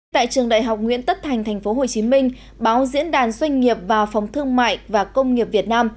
tại trường đại học nguyễn tất thành tp hcm báo diễn đàn doanh nghiệp và phòng thương mại và công nghiệp việt nam